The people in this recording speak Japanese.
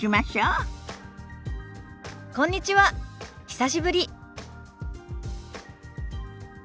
久しぶり。